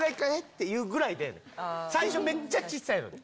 ていうぐらい最初めっちゃ小さいので。